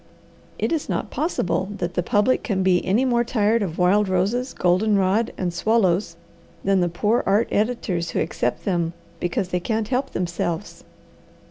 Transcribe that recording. "It is not possible that the public can be any more tired of wild roses, golden rod, and swallows than the poor art editors who accept them because they can't help themselves.